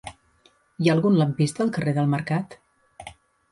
Hi ha algun lampista al carrer del Mercat?